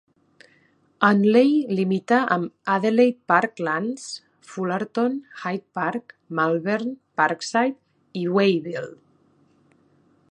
Unley limita amb Adelaide Park Lands, Fullarton, Hyde Park, Malvern, Parkside i Wayville.